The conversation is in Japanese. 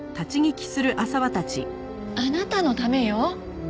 あなたのためよ。